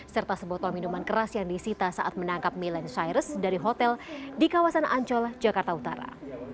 serta sebotol minuman keras yang disita saat menangkap milen cyrus dari hotel di kawasan ancol jakarta utara